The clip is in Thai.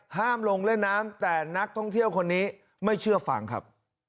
ห้ามลงเล่นน้ำแต่นักท่องเที่ยวคนนี้ไม่เชื่อฟังครับ